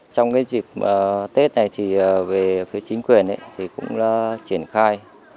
trong cái dịp tết này thì về phía chính quyền thì cũng là triển khai